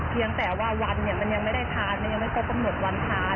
เพียงแต่ว่าวันเนี่ยมันยังไม่ได้ทานมันยังไม่ครบกำหนดวันทาน